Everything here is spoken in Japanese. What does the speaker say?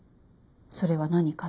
それは何か？」